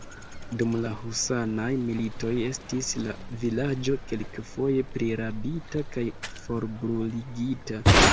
Dum la Husanaj Militoj estis la vilaĝo kelkfoje prirabita kaj forbruligita.